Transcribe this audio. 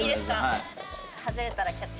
外れたらキャッチ。